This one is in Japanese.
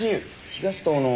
東棟の。